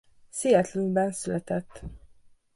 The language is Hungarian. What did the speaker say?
Seattle-ban született.